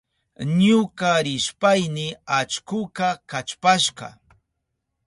Ñuka rishpayni allkuka kallpashka.